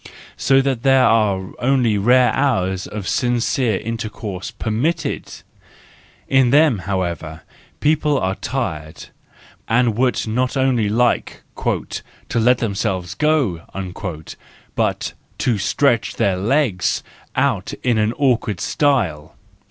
And So there are only rare hours of sincere intercours z permitted : in them, however, people are tired, and would not only like " to let themselves go," but to stretch their legs out wide in awkward style.